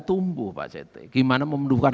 tumbuh pak cetek gimana memenuhkan